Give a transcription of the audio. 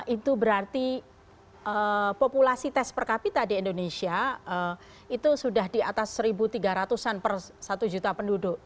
itu berarti populasi tes per kapita di indonesia itu sudah di atas satu tiga ratus an per satu juta penduduk